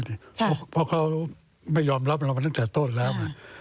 เพราะเขาไม่ยอมรับเรามาตั้งแต่ต้นแล้วไง